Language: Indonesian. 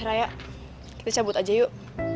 raya kita cabut aja yuk